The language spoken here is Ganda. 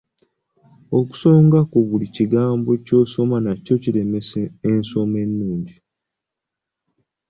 Okusonga ku buli kigambo ky'osoma nakyo kiremesa ensoma ennungi.